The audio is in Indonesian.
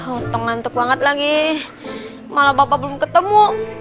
otong ngantuk banget lagi malah papa belum ketemu